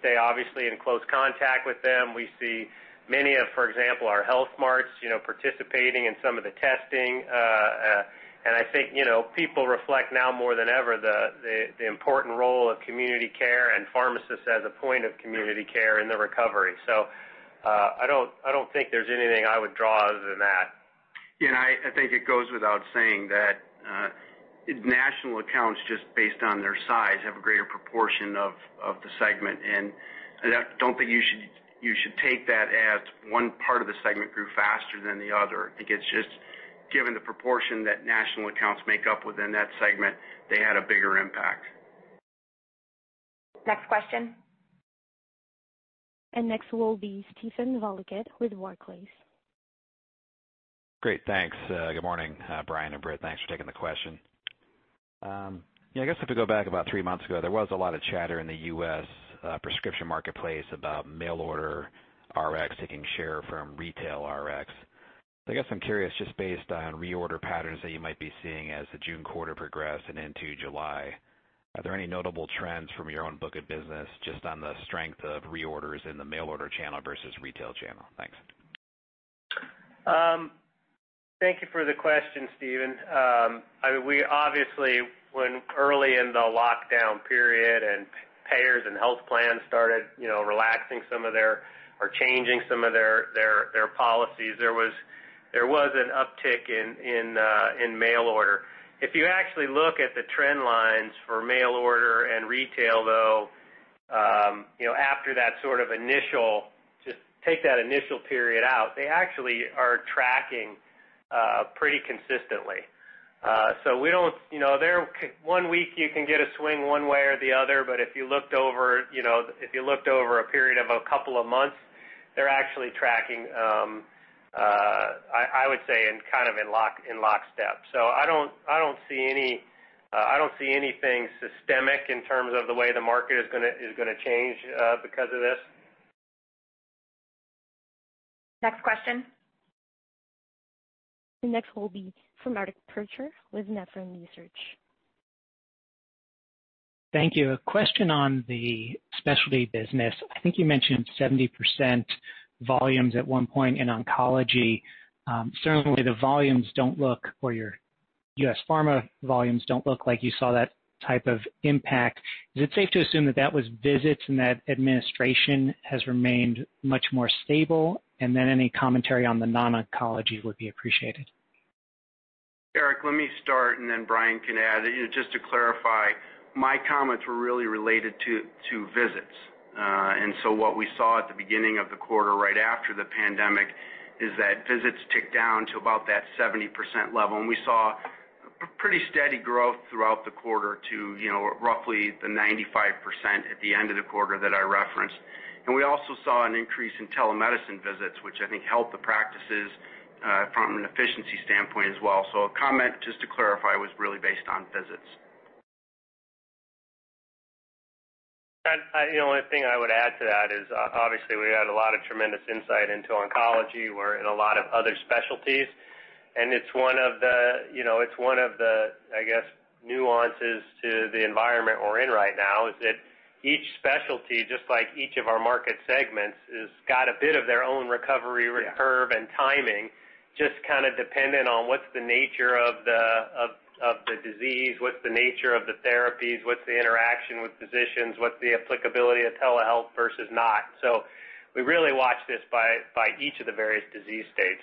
stay obviously in close contact with them. We see many of, for example, our Health Marts participating in some of the testing. I think, people reflect now more than ever the important role of community care and pharmacists as a point of community care in the recovery. I don't think there's anything I would draw other than that. I think it goes without saying that national accounts, just based on their size, have a greater proportion of the segment, and I don't think you should take that as one part of the segment grew faster than the other. I think it's just given the proportion that national accounts make up within that segment, they had a bigger impact. Next question. Next will be Steven Valiquette with Barclays. Great. Thanks. Good morning, Brian and Britt. Thanks for taking the question. I guess if we go back about three months ago, there was a lot of chatter in the U.S. prescription marketplace about mail order RX taking share from retail RX. I guess I'm curious, just based on reorder patterns that you might be seeing as the June quarter progressed and into July, are there any notable trends from your own book of business just on the strength of reorders in the mail order channel versus retail channel? Thanks. Thank you for the question, Steven. We obviously, when early in the lockdown period and payers and health plans started relaxing some of their, or changing some of their policies, there was an uptick in mail order. If you actually look at the trend lines for mail order and retail, though, after that sort of initial, just take that initial period out, they actually are tracking pretty consistently. One week you can get a swing one way or the other, but if you looked over a period of a couple of months, they're actually tracking, I would say, in lockstep. I don't see anything systemic in terms of the way the market is going to change because of this. Next question. Next will be from Eric Percher with Nephron Research. Thank you. A question on the specialty business. I think you mentioned 70% volumes at one point in oncology. Certainly, your U.S. Pharma volumes don't look like you saw that type of impact. Is it safe to assume that was visits and that administration has remained much more stable? Any commentary on the non-oncology would be appreciated. Eric, let me start and then Brian can add. Just to clarify, my comments were really related to visits. What we saw at the beginning of the quarter, right after the pandemic, is that visits ticked down to about that 70% level, and we saw pretty steady growth throughout the quarter to roughly the 95% at the end of the quarter that I referenced. We also saw an increase in telemedicine visits, which I think helped the practices from an efficiency standpoint as well. A comment just to clarify was really based on visits. The only thing I would add to that is, obviously, we had a lot of tremendous insight into oncology. We're in a lot of other specialties, it's one of the, I guess, nuances to the environment we're in right now is that each specialty, just like each of our market segments, has got a bit of their own recovery curve and timing, just kind of dependent on what's the nature of the disease, what's the nature of the therapies, what's the interaction with physicians, what's the applicability of telehealth versus not. We really watch this by each of the various disease states.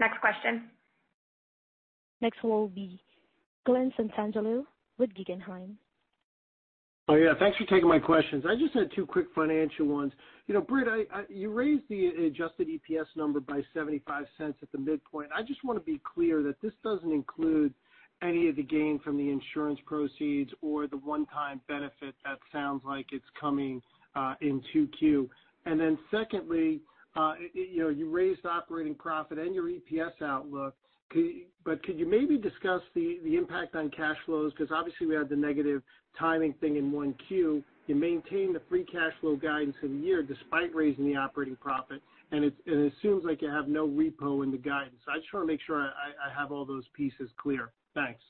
Next question. Next will be Glen Santangelo with Guggenheim. Thanks for taking my questions. I just had two quick financial ones. Britt, you raised the adjusted EPS number by $0.75 at the midpoint. I just want to be clear that this doesn't include any of the gain from the insurance proceeds or the one-time benefit that sounds like it's coming in 2Q. Secondly, you raised operating profit and your EPS outlook, but could you maybe discuss the impact on cash flows? Because obviously, we had the negative timing thing in 1Q. You maintained the free cash flow guidance for the year despite raising the operating profit, and it seems like you have no repo in the guidance. I just want to make sure I have all those pieces clear. Thanks.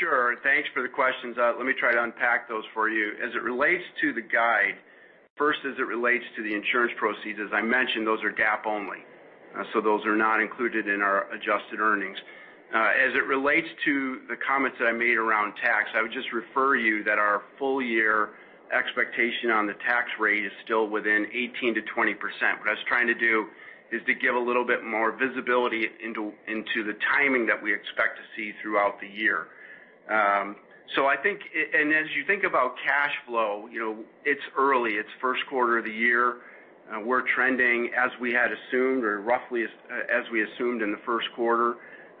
Sure. Thanks for the questions. Let me try to unpack those for you. As it relates to the guide, first, as it relates to the insurance proceeds, as I mentioned, those are GAAP only. Those are not included in our adjusted earnings. As it relates to the comments that I made around tax, I would just refer you that our full-year expectation on the tax rate is still within 18%-20%. What I was trying to do is to give a little bit more visibility into the timing that we expect to see throughout the year. As you think about cash flow, it's early, it's first quarter of the year. We're trending as we had assumed, or roughly as we assumed in the first quarter.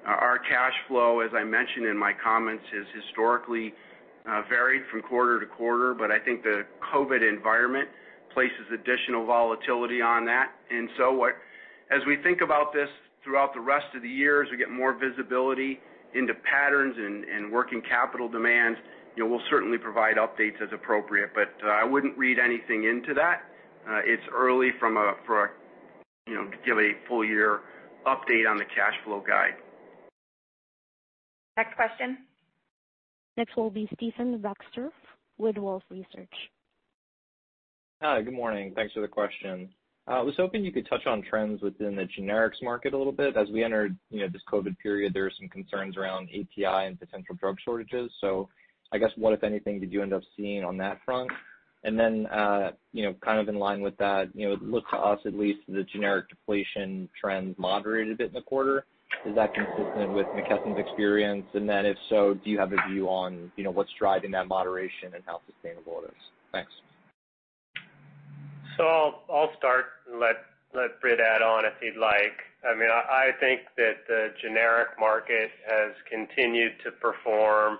Our cash flow, as I mentioned in my comments, has historically varied from quarter to quarter. I think the COVID environment places additional volatility on that. As we think about this throughout the rest of the year, as we get more visibility into patterns and working capital demands, we'll certainly provide updates as appropriate. I wouldn't read anything into that. It's early to give a full-year update on the cash flow guide. Next question. Next will be Stephen Baxter with Wolfe Research. Hi, good morning. Thanks for the question. I was hoping you could touch on trends within the generics market a little bit. As we entered this COVID-19 period, there were some concerns around API and potential drug shortages. I guess what, if anything, did you end up seeing on that front? Kind of in line with that, it looked to us at least the generic deflation trend moderated a bit in the quarter. Is that consistent with McKesson's experience? If so, do you have a view on what's driving that moderation and how sustainable it is? Thanks. I'll start and let Britt add on if he'd like. I think that the generic market has continued to perform,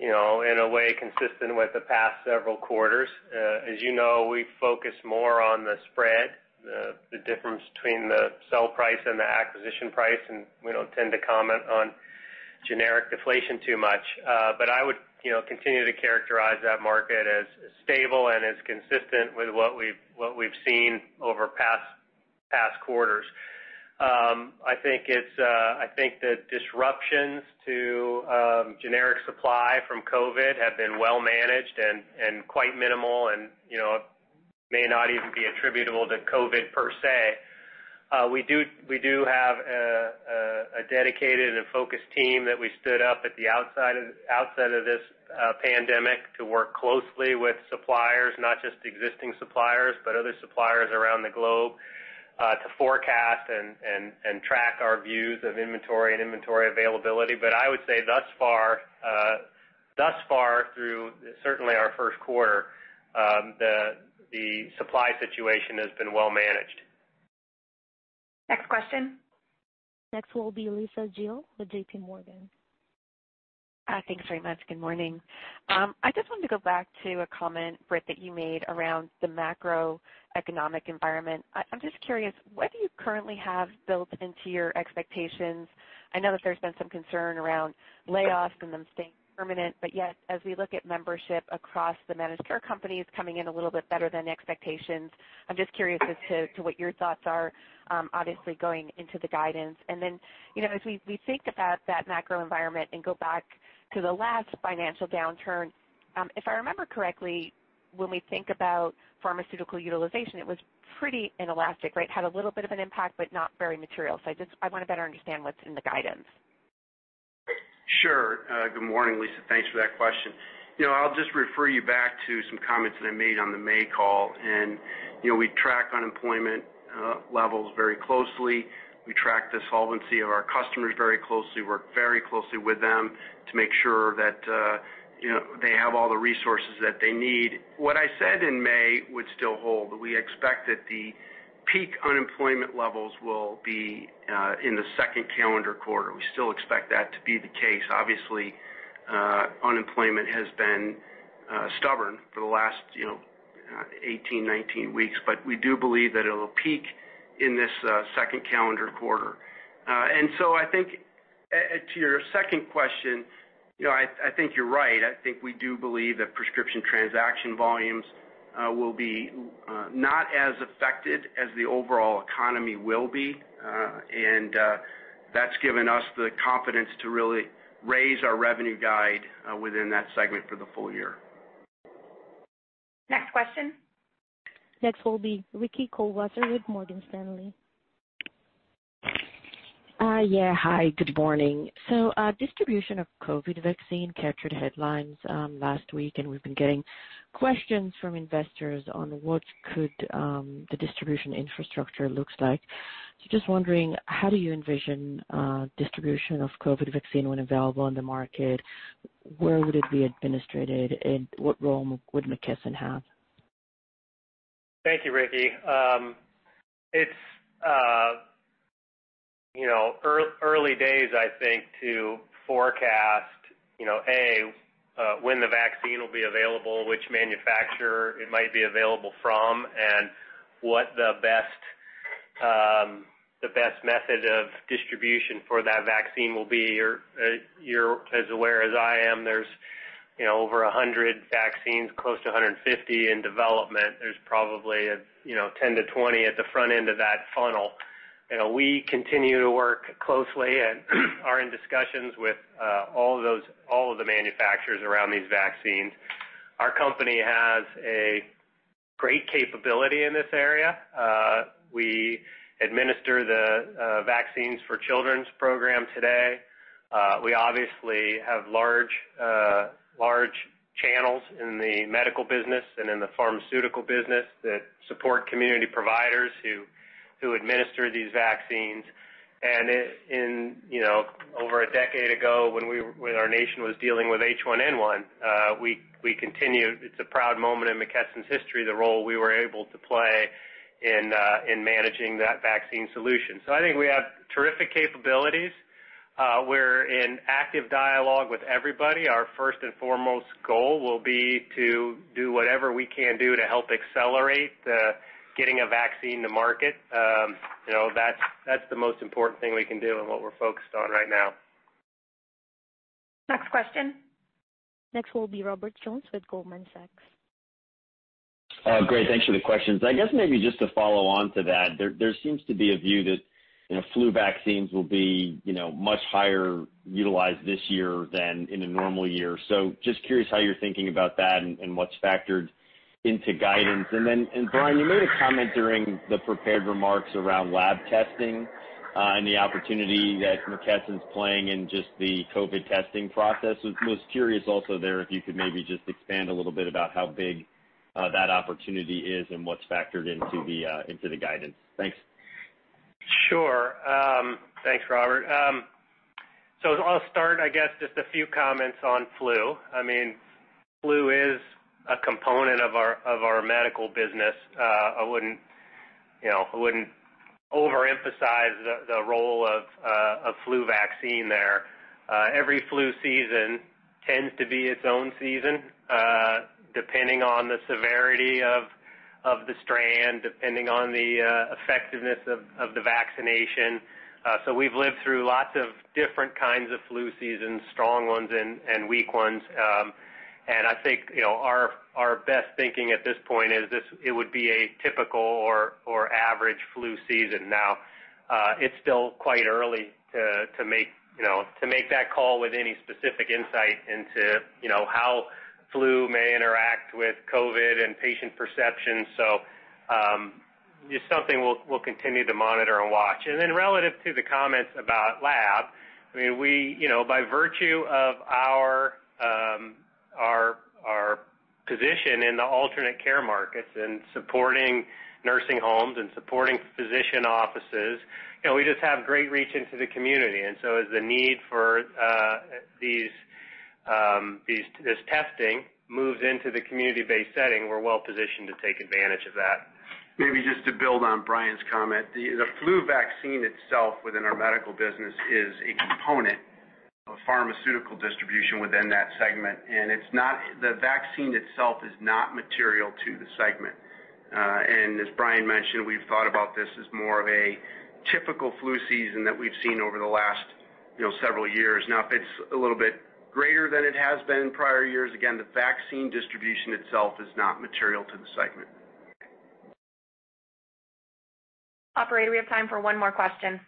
in a way, consistent with the past several quarters. As you know, we focus more on the spread, the difference between the sell price and the acquisition price, and we don't tend to comment on generic deflation too much. I would continue to characterize that market as stable and as consistent with what we've seen over past quarters. I think the disruptions to generic supply from COVID-19 have been well managed and quite minimal, and may not even be attributable to COVID-19 per se. We do have a dedicated and focused team that we stood up at the outset of this pandemic to work closely with suppliers, not just existing suppliers, but other suppliers around the globe, to forecast and track our views of inventory and inventory availability. I would say thus far through, certainly our first quarter, the supply situation has been well managed. Next question. Next will be Lisa Gill with JPMorgan. Thanks very much. Good morning. I just wanted to go back to a comment, Britt, that you made around the macroeconomic environment. I'm just curious, what do you currently have built into your expectations? I know that there's been some concern around layoffs and them staying permanent, but yet as we look at membership across the managed care companies coming in a little bit better than expectations, I'm just curious as to what your thoughts are, obviously going into the guidance. As we think about that macro environment and go back to the last financial downturn, if I remember correctly, when we think about pharmaceutical utilization, it was pretty inelastic, right? Had a little bit of an impact, but not very material. I want to better understand what's in the guidance. Sure. Good morning, Lisa. Thanks for that question. I'll just refer you back to some comments that I made on the May call. We track unemployment levels very closely. We track the solvency of our customers very closely. We work very closely with them to make sure that they have all the resources that they need. What I said in May would still hold, that we expect that the peak unemployment levels will be in the second calendar quarter. We still expect that to be the case. Obviously, unemployment has been stubborn for the last 18, 19 weeks, but we do believe that it'll peak in this second calendar quarter. I think to your second question, I think you're right. I think we do believe that prescription transaction volumes will be not as affected as the overall economy will be. That's given us the confidence to really raise our revenue guide within that segment for the full year. Next question. Next will be Ricky Goldwasser with Morgan Stanley. Yeah. Hi, good morning. Distribution of COVID vaccine captured headlines last week, and we've been getting questions from investors on what could the distribution infrastructure looks like. Just wondering, how do you envision distribution of COVID vaccine when available on the market? Where would it be administered, and what role would McKesson have? Thank you, Ricky. It's early days, I think, to forecast, A, when the vaccine will be available, which manufacturer it might be available from, and what the best method of distribution for that vaccine will be. You're as aware as I am there's over 100 vaccines, close to 150 in development. There's probably 10 to 20 at the front end of that funnel. We continue to work closely and are in discussions with all of the manufacturers around these vaccines. Our company has a great capability in this area. We administer the Vaccines for Children Program today. We obviously have large channels in the medical business and in the pharmaceutical business that support community providers who administer these vaccines. Over a decade ago, when our nation was dealing with H1N1, we continued, it's a proud moment in McKesson's history, the role we were able to play in managing that vaccine solution. I think we have terrific capabilities. We're in active dialogue with everybody. Our first and foremost goal will be to do whatever we can do to help accelerate getting a vaccine to market. That's the most important thing we can do and what we're focused on right now. Next question. Next will be Robert Jones with Goldman Sachs. Great. Thanks for the questions. I guess maybe just to follow on to that, there seems to be a view that flu vaccines will be much higher utilized this year than in a normal year. Just curious how you're thinking about that and what's factored into guidance. Then, Brian, you made a comment during the prepared remarks around lab testing and the opportunity that McKesson's playing in just the COVID testing process. I was curious also there, if you could maybe just expand a little bit about how big that opportunity is and what's factored into the guidance. Thanks. Sure. Thanks, Robert. I'll start, I guess, just a few comments on flu. Flu is a component of our medical business. I wouldn't overemphasize the role of flu vaccine there. Every flu season tends to be its own season, depending on the severity of the strand, depending on the effectiveness of the vaccination. We've lived through lots of different kinds of flu seasons, strong ones and weak ones. I think our best thinking at this point is it would be a typical or average flu season. It's still quite early to make that call with any specific insight into how flu may interact with COVID-19 and patient perception. Just something we'll continue to monitor and watch. Relative to the comments about lab, by virtue of our position in the alternate care markets and supporting nursing homes and supporting physician offices, we just have great reach into the community. As the need for this testing moves into the community-based setting, we're well-positioned to take advantage of that. Maybe just to build on Brian's comment, the flu vaccine itself within our medical business is a component of pharmaceutical distribution within that segment, and the vaccine itself is not material to the segment. As Brian mentioned, we've thought about this as more of a typical flu season that we've seen over the last several years. If it's a little bit greater than it has been in prior years, again, the vaccine distribution itself is not material to the segment. Operator, we have time for one more question.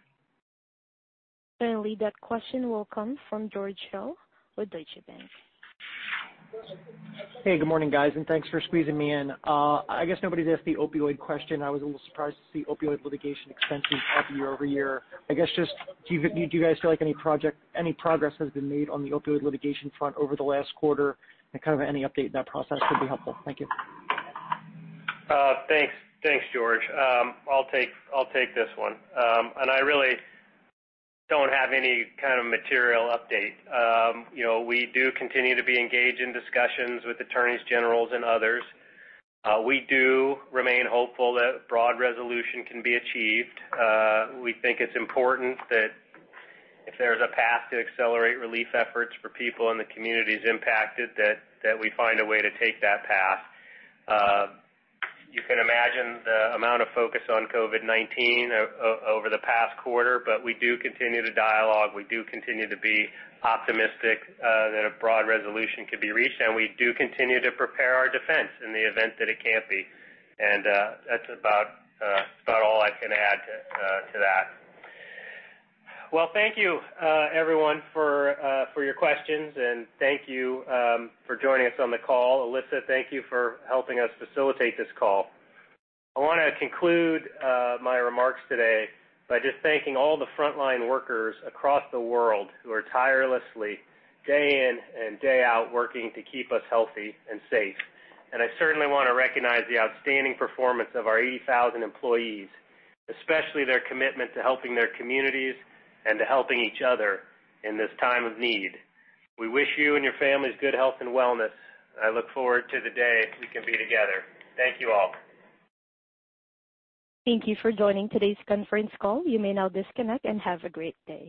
Finally, that question will come from George Hill with Deutsche Bank. Hey, good morning, guys. Thanks for squeezing me in. I guess nobody's asked the opioid question. I was a little surprised to see opioid litigation expenses up year-over-year. I guess just do you guys feel like any progress has been made on the opioid litigation front over the last quarter? Any update in that process would be helpful. Thank you. Thanks, George. I'll take this one. I really don't have any kind of material update. We do continue to be engaged in discussions with attorneys general and others. We do remain hopeful that broad resolution can be achieved. We think it's important that if there's a path to accelerate relief efforts for people in the communities impacted, that we find a way to take that path. You can imagine the amount of focus on COVID-19 over the past quarter, we do continue to dialogue. We do continue to be optimistic that a broad resolution could be reached, we do continue to prepare our defense in the event that it can't be. That's about all I can add to that. Well, thank you, everyone, for your questions, thank you for joining us on the call. Alyssa, thank you for helping us facilitate this call. I want to conclude my remarks today by just thanking all the frontline workers across the world who are tirelessly, day in and day out, working to keep us healthy and safe. I certainly want to recognize the outstanding performance of our 80,000 employees, especially their commitment to helping their communities and to helping each other in this time of need. We wish you and your families good health and wellness. I look forward to the day we can be together. Thank you all. Thank you for joining today's conference call. You may now disconnect and have a great day.